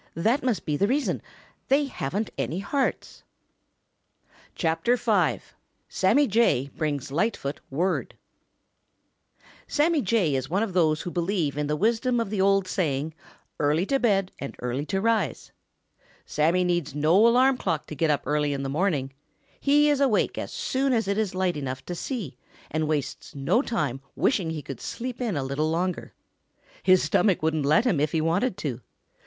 That must be the reason; they haven't any hearts." [Illustration: "I don't understand these men creatures," said Peter to little Mrs. Peter.] CHAPTER V SAMMY JAY BRINGS LIGHTFOOT WORD Sammy Jay is one of those who believe in the wisdom of the old saying, "Early to bed and early to rise." Sammy needs no alarm clock to get up early in the morning. He is awake as soon as it is light enough to see and wastes no time wishing he could sleep a little longer. His stomach wouldn't let him if he wanted to.